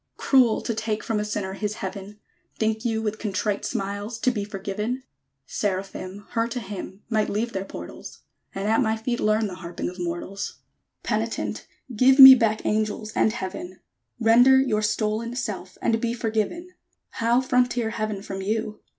Cruel to take from a Sinner his Heaven! Think you with contrite smiles To be forgiven? Seraphim, Her to hymn, Might leave their portals; And at my feet learn The harping of mortals! Penitent! give me back Angels, and Heaven; Render your stolen self, And be forgiven! How frontier Heaven from you?